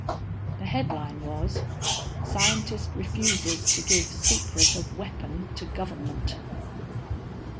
The headline was: "Scientist Refuses to Give Secret of Weapon to Government."